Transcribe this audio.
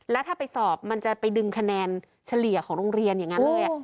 แล้วถ้าไปสอบมันจะไปดึงคะแนนเฉลี่ยของโรงเรียนอย่างนั้นเลย